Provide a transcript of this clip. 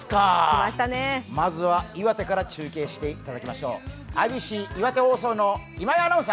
まずは岩手から中継していただきましょう。